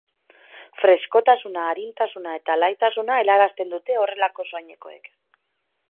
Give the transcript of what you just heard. Freskotasuna, arintasuna eta alaitasuna helarazten dute horrelako soinekoek.